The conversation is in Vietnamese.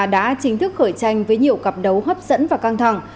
đã chính thức khởi tranh với nhiều cặp đấu hấp dẫn và căng thẳng